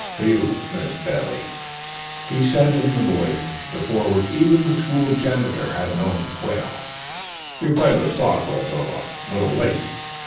"For you, Miss Bailey," he said in the voice before which even the school janitor had been known to quail. "Your friend was thoughtful, though a little late."